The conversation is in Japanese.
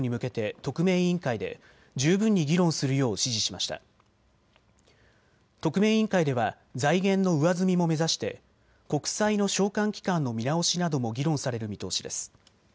特命委員会では財源の上積みも目指して国債の償還期間の見直しなども議論される見通しです。